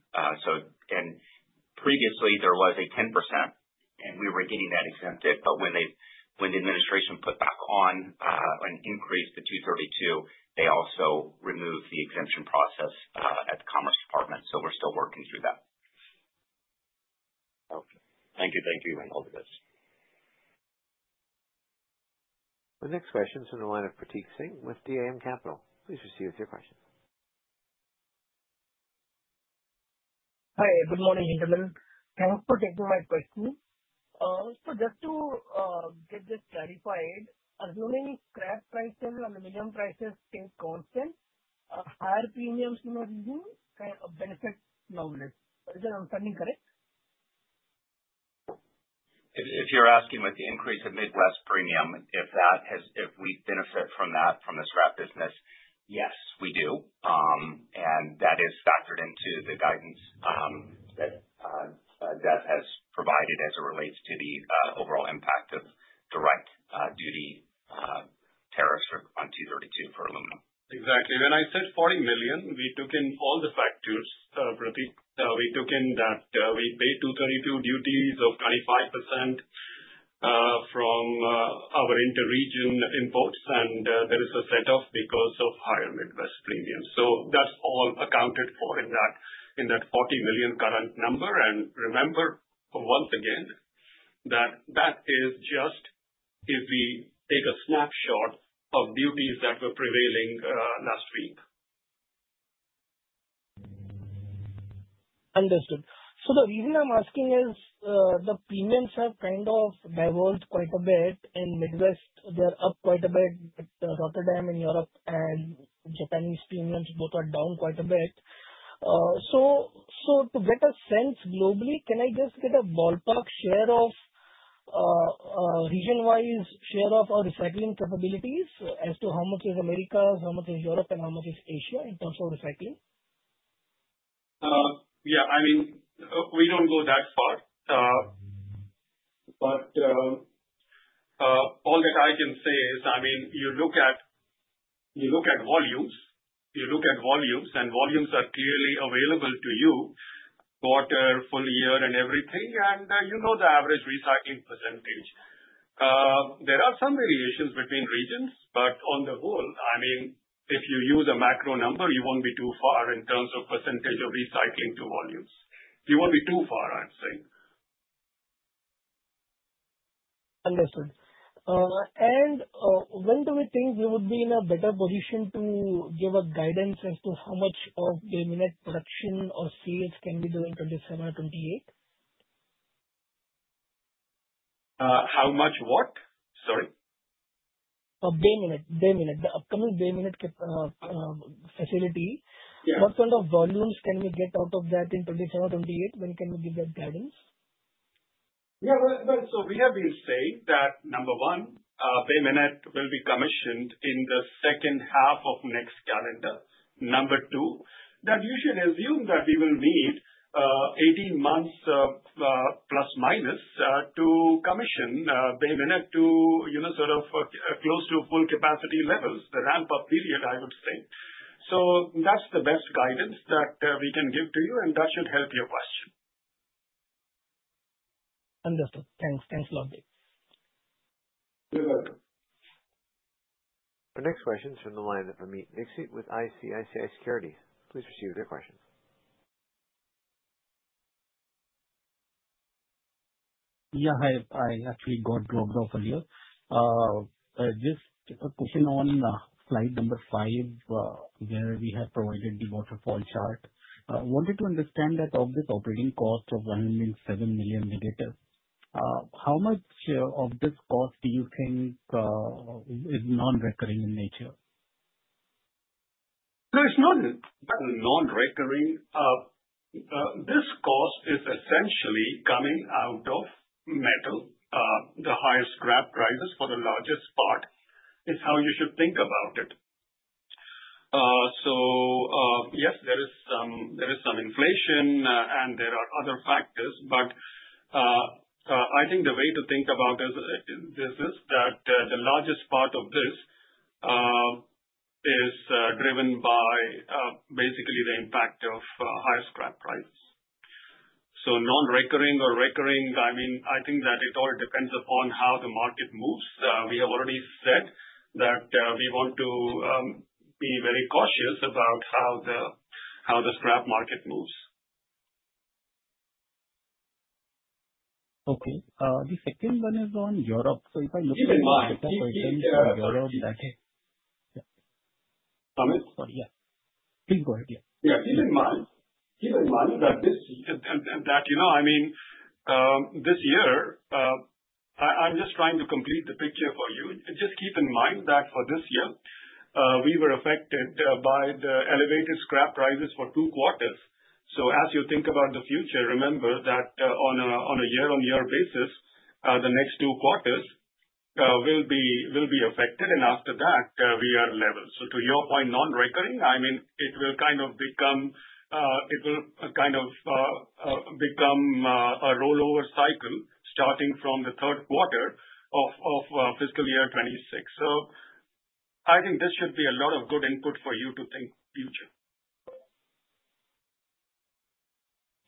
Previously there was a 10%, and we were getting that exempted. When they, when the administration put back on an increase to 232, they also removed the exemption process at the Commerce Department. We're still working through that. Okay. Thank you. Thank you. All the best. The next question is on the line of Prateek Singh with DAM Capital. Please proceed with your question. Hi, good morning, everyone. Thanks for taking my question. Just to get this clarified, assuming scrap prices and the minimum prices stay constant, higher premiums, you are using benefits globally. Is that understanding correct? If you're asking with the increase of Midwest premium, if we benefit from that, from the scrap business, yes, we do. That is factored into the guidance that has provided as it relates to the overall impact of direct duty tariffs for on Section 232 for aluminum. Exactly. When I said $40 million, we took in all the factors, Pratik. We took in that we paid Section 232 duties of 25% from our inter-region imports, and there is a set off because of higher Midwest premium. That's all accounted for in that, in that $40 million current number. Remember, once again, that that is just if we take a snapshot of duties that were prevailing last week. Understood. The reason I'm asking is, the premiums have kind of diverged quite a bit. In Midwest, they're up quite a bit, but Rotterdam in Europe and Japanese premiums both are down quite a bit. So to get a sense globally, can I just get a ballpark share of, region-wise, share of our recycling capabilities as to how much is Americas, how much is Europe, and how much is Asia in terms of recycling? Yeah, I mean, we don't go that far. All that I can say is, I mean, you look at volumes, and volumes are clearly available to you, quarter, full year, and everything, and you know the average recycling %. There are some variations between regions, on the whole, I mean, if you use a macro number, you won't be too far in terms of % of recycling to volumes. You won't be too far, I'd say. Understood. When do we think we would be in a better position to give a guidance as to how much of Bay Minette production or sales can be done in 2027 or 2028? how much what? Sorry. Bay Minette. The upcoming Bay Minette Cap facility. Yeah. What kind of volumes can we get out of that in 27 or 28? When can we give that guidance? Yeah. Well, we have been saying that, number one, Bay Minette will be commissioned in the second half of next calendar. Number two, that you should assume that we will need, 18 months, plus, minus, to commission, Bay Minette to, you know, sort of, close to full capacity levels, the ramp-up period, I would say. That's the best guidance that, we can give to you, and that should help your question. Understood. Thanks. Thanks a lot. You're welcome. Our next question is from the line of Amit Dixit with ICICI Securities. Please proceed with your question. Yeah, I actually got dropped off earlier. Just a question on slide number five, where we have provided the waterfall chart. I wanted to understand that of this operating cost of $107 million negative, how much of this cost do you think is non-recurring in nature? There is not a non-recurring. This cost is essentially coming out of metal. The higher scrap prices, for the largest part, is how you should think about it. Yes, there is some inflation, and there are other factors. I think the way to think about this is that, the largest part of this, is driven by, basically the impact of, higher scrap prices. Non-recurring or recurring, I mean, I think that it all depends upon how the market moves. We have already said that, we want to, be very cautious about how the scrap market moves. Okay. The second one is on Europe. Keep in mind, yeah. Okay. Yeah. Amit? Sorry, yeah. Please go ahead. Yeah. Yeah. Keep in mind that this, and that, you know, I mean, this year, I'm just trying to complete the picture for you. Just keep in mind that for this year, we were affected by the elevated scrap prices for two quarters. As you think about the future, remember that, on a year-on-year basis, the next two quarters will be affected, and after that, we are level. To your point, non-recurring, I mean, it will kind of become a rollover cycle starting from the third quarter of fiscal year 2026. I think this should be a lot of good input for you to think future.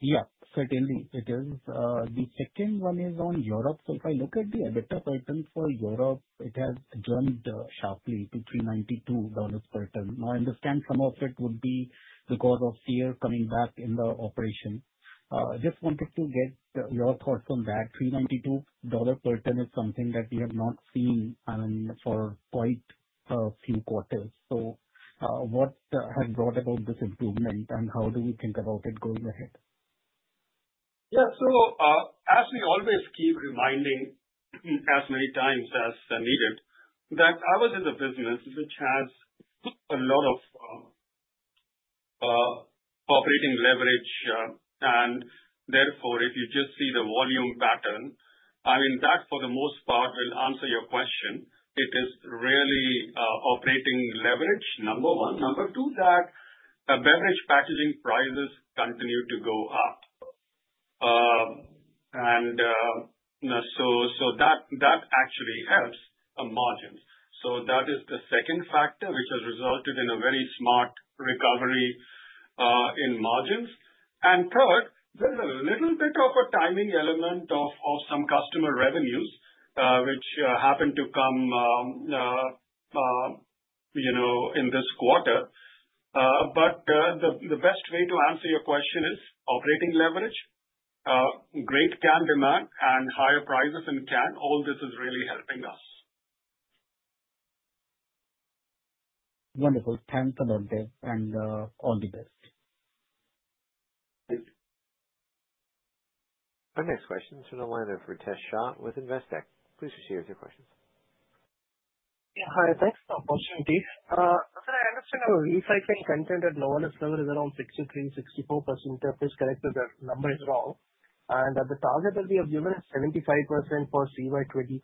Yeah, certainly it is. The second one is on Europe. If I look at the EBITDA pattern for Europe, it has jumped sharply to $392 per ton. I understand some of it would be because of fear coming back in the operation. Just wanted to get your thoughts on that. $392 per ton is something that we have not seen for quite a few quarters. What has brought about this improvement, and how do we think about it going ahead? Yeah. As we always keep reminding as many times as needed, that ours is a business which has a lot of operating leverage. Therefore, if you just see the volume pattern, I mean, that, for the most part, will answer your question. It is really operating leverage, number 1. Number 2, that beverage packaging prices continue to go up. And, you know, so that actually helps on margins. That is the second factor, which has resulted in a very smart recovery in margins. Third, there's a little bit of a timing element of some customer revenues, which happen to come, you know, in this quarter. The best way to answer your question is operating leverage, great can demand and higher prices in can, all this is really helping us. Wonderful. Thanks a lot there, and all the best. Thank you. Our next question is from the line of Ritesh Shah with Investec. Please proceed with your questions. Yeah. Hi, thanks for the opportunity. I understand the recycling content at Novelis is around 63%-64%, if it's correct, if that number is wrong, and that the target that we have given is 75% for 3 by 30.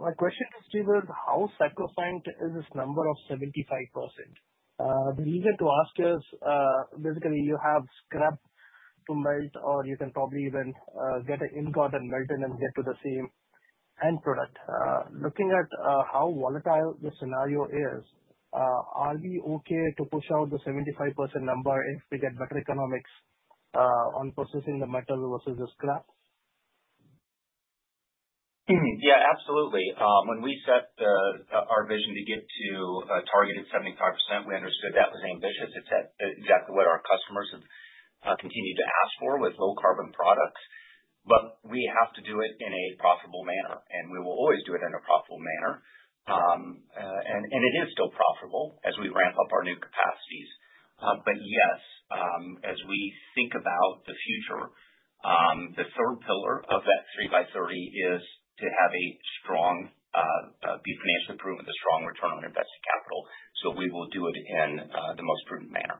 My question to Steve is, how sacrosanct is this number of 75%? The reason to ask is, basically you have scrap to melt, or you can probably even get an ingot and melt it and get to the same end product. Looking at how volatile the scenario is, are we okay to push out the 75% number if we get better economics on processing the metal versus the scrap? Yeah, absolutely. When we set our vision to get to a target of 75%, we understood that was ambitious. It's exactly what our customers have continued to ask for with low carbon products. We have to do it in a profitable manner, and we will always do it in a profitable manner. And it is still profitable as we ramp up our new capacities. Yes, as we think about the future, the third pillar of that 3 by 30 is to have a strong, be financially prudent, a strong return on invested capital. We will do it in the most prudent manner.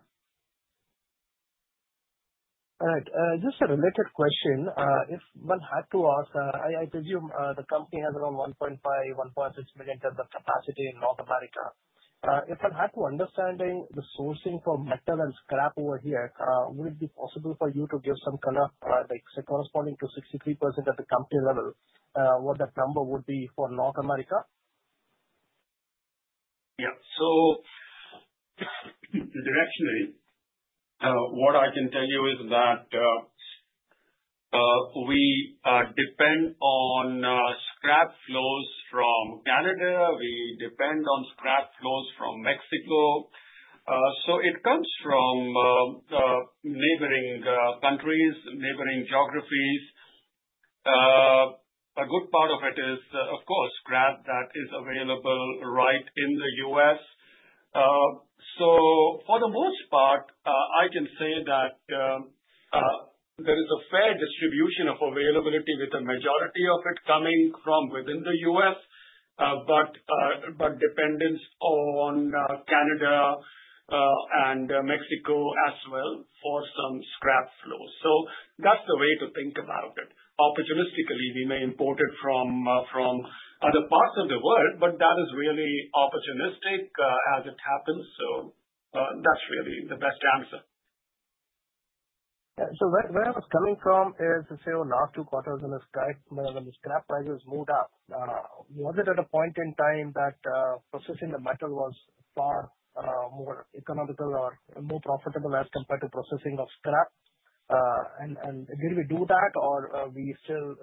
All right. Just a related question. If one had to ask, I presume the company has around 1.5, 1.6 million tons of capacity in North America. If I had to understanding the sourcing for metal and scrap over here, would it be possible for you to give some color, like say, corresponding to 63% at the company level, what that number would be for North America? Yeah. Directionally, what I can tell you is that we depend on scrap flows from Canada. We depend on scrap flows from Mexico. It comes from neighboring countries, neighboring geographies. A good part of it is, of course, scrap that is available right in the U.S. For the most part, I can say that there is a fair distribution of availability, with the majority of it coming from within the U.S., but dependence on Canada and Mexico as well for some scrap flow. That's the way to think about it. Opportunistically, we may import it from other parts of the world, but that is really opportunistic as it happens. That's really the best answer. Where I was coming from is, say, over the last two quarters in this time, when the scrap prices moved up, was it at a point in time that processing the metal was far more economical or more profitable as compared to processing of scrap? And did we do that or we still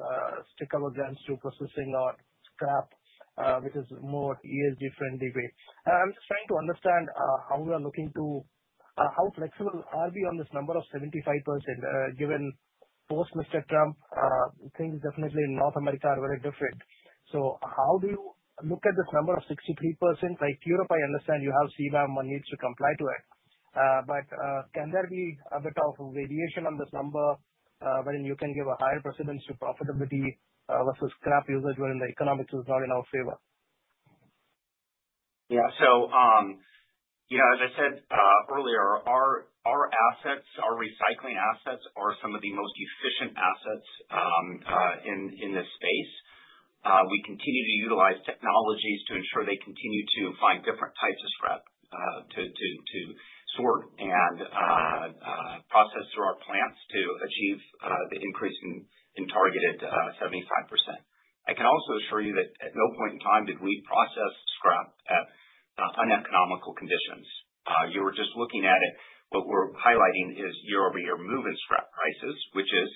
stick our guns to processing our scrap, which is more ESG-friendly way? I'm just trying to understand how flexible are we on this number of 75%, given post Mr. Trump, things definitely in North America are very different. How do you look at this number of 63%? Like, clear up, I understand you have CBAM one needs to comply to it. Can there be a bit of variation on this number, wherein you can give a higher precedence to profitability, versus scrap usage, wherein the economics is not in our favor? Yeah. You know, as I said earlier, our assets, our recycling assets are some of the most efficient assets in this space. We continue to utilize technologies to ensure they continue to find different types of scrap to sort and process through our plants to achieve the increase in targeted 75%. I can also assure you that at no point in time did we process scrap at uneconomical conditions. You were just looking at it. What we're highlighting is year-over-year movement scrap prices, which is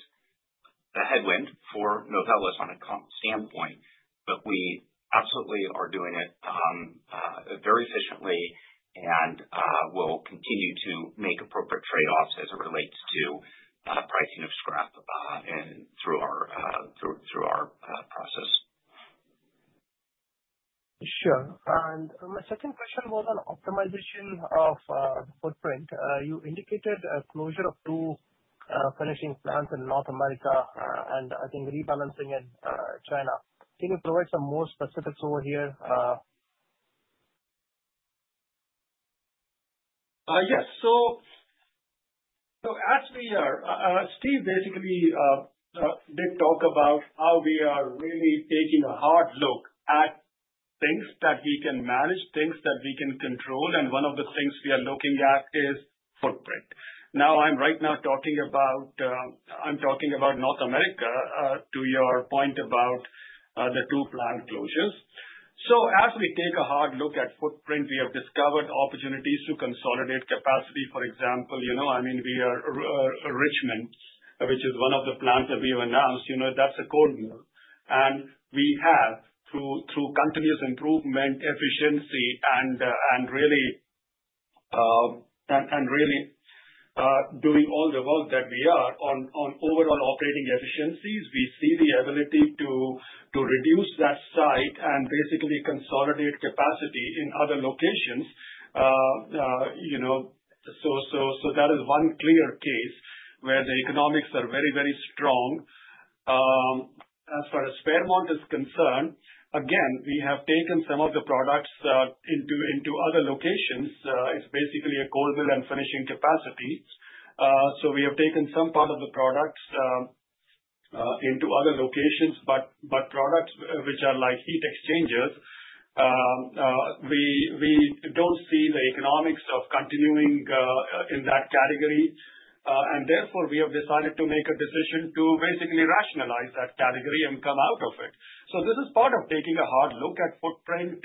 a headwind for Novelis on a comp standpoint, but we absolutely are doing it very efficiently and will continue to make appropriate trade-offs as it relates to pricing of scrap and through our process. Sure. My second question was on optimization of footprint. You indicated a closure of two finishing plants in North America, and I think rebalancing in China. Can you provide some more specifics over here? Yes. As we are Steve, basically, did talk about how we are really taking a hard look at things that we can manage, things that we can control, and one of the things we are looking at is footprint. Now, I'm right now talking about North America, to your point about the two plant closures. As we take a hard look at footprint, we have discovered opportunities to consolidate capacity. For example, you know, I mean, we are Richmond, which is one of the plants that we have announced, you know, that's a cold mill. We have, through continuous improvement, efficiency, and really, doing all the work that we are on overall operating efficiencies, we see the ability to reduce that site and basically consolidate capacity in other locations. you know, so that is one clear case where the economics are very, very strong. As far as Fairmont is concerned, again, we have taken some of the products, into other locations. It's basically a cold mill and finishing capacity. We have taken some part of the products, into other locations, but products which are like heat exchangers, we don't see the economics of continuing, in that category. Therefore, we have decided to make a decision to basically rationalize that category and come out of it. This is part of taking a hard look at footprint.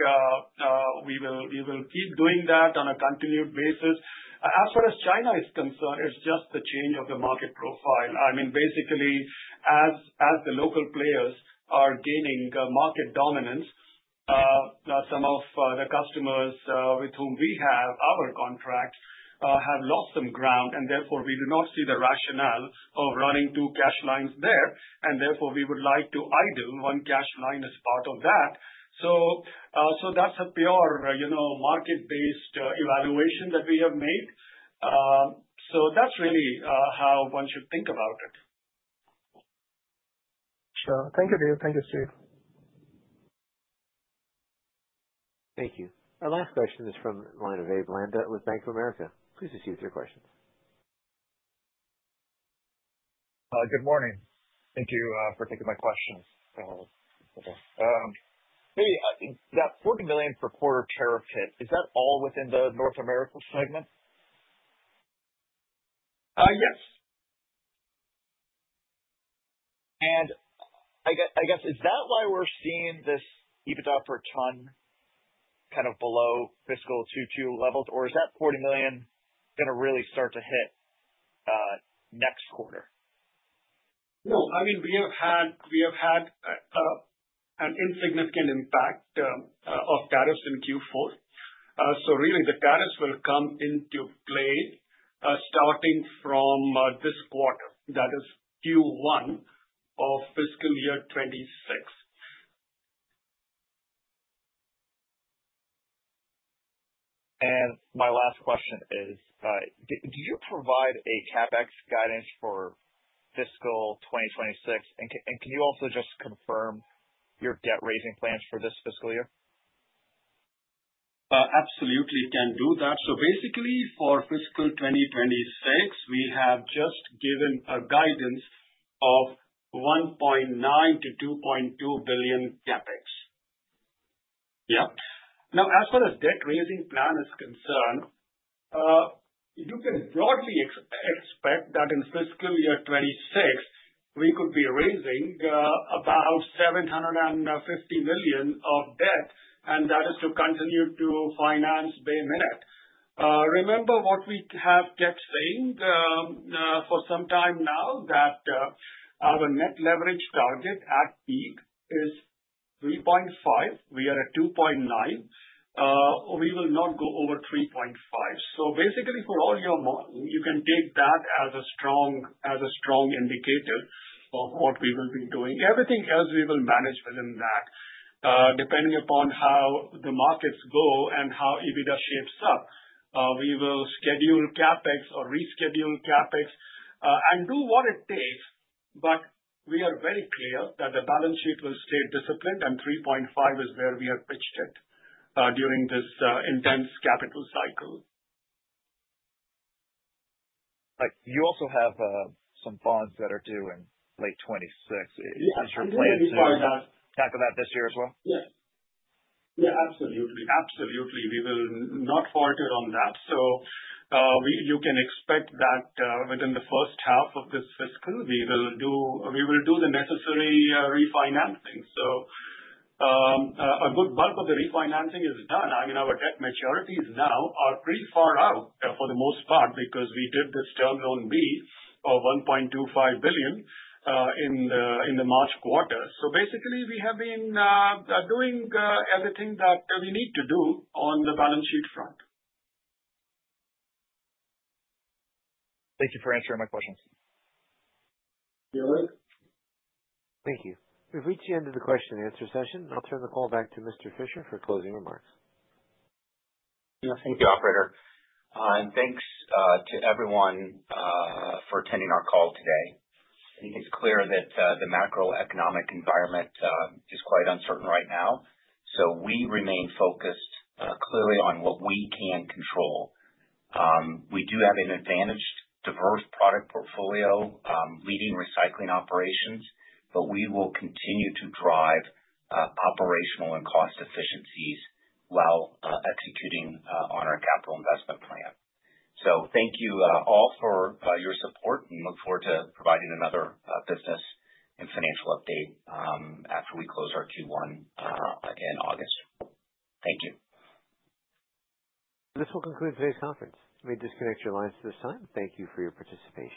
We will keep doing that on a continued basis. As far as China is concerned, it's just the change of the market profile. I mean, basically, as the local players are gaining market dominance, some of the customers with whom we have our contract have lost some ground, and therefore we do not see the rationale of running two CAS lines there, and therefore we would like to idle one cash line as part of that. That's a pure, you know, market-based evaluation that we have made. That's really how one should think about it. Sure. Thank you, Dev. Thank you, Steve. Thank you. Our last question is from the line of Abe Landa with Bank of America. Please proceed with your questions. Good morning. Thank you for taking my questions. Okay. Maybe that $40 million per quarter tariff hit, is that all within the North America segment? Yes. I guess, is that why we're seeing this EBITDA per ton kind of below fiscal 2022 levels? Is that $40 million going to really start to hit next quarter? I mean, we have had an insignificant impact of tariffs in Q4. Really, the tariffs will come into play starting from this quarter, that is Q1 of fiscal year 26. My last question is, do you provide a CapEx guidance for fiscal 2026? Can you also just confirm your debt raising plans for this fiscal year? Absolutely can do that. Basically, for fiscal 2026, we have just given a guidance of $1.9 billion-$2.2 billion CapEx. Yeah. As far as debt raising plan is concerned, you can broadly expect that in fiscal year 2026, we could be raising about $750 million of debt, and that is to continue to finance Bay Minette. Remember what we have kept saying for some time now, that our net leverage target at peak is 3.5. We are at 2.9. We will not go over 3.5. Basically, for all your model, you can take that as a strong indicator of what we will be doing. Everything else, we will manage within that. Depending upon how the markets go and how EBITDA shapes up, we will schedule CapEx or reschedule CapEx and do what it takes. We are very clear that the balance sheet will stay disciplined, and 3.5 is where we have pitched it during this intense capital cycle. You also have some bonds that are due in late 26. Yeah. Is your plan to tackle that this year as well? Yeah. Absolutely. Absolutely. We will not falter on that. You can expect that within the first half of this fiscal, we will do the necessary refinancing. A good bulk of the refinancing is done. I mean, our debt maturities now are pretty far out for the most part because we did this Term Loan B of $1.25 billion in the March quarter. Basically, we have been doing everything that we need to do on the balance sheet front. Thank you for answering my questions. You're welcome. Thank you. We've reached the end of the Q&A session. I'll turn the call back to Mr. Fisher for closing remarks. Yeah. Thank you, operator. Thanks to everyone for attending our call today. I think it's clear that the macroeconomic environment is quite uncertain right now, we remain focused clearly on what we can control. We do have an advantaged, diverse product portfolio, leading recycling operations, we will continue to drive operational and cost efficiencies while executing on our capital investment plan. Thank you all for your support, we look forward to providing another business and financial update after we close our Q1 in August. Thank you. This will conclude today's conference. You may disconnect your lines to this time. Thank you for your participation.